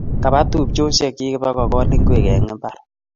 Kapa tupchosiekyi ipkokol ngwek eng mbar